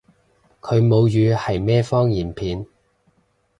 佢母語係咩方言片？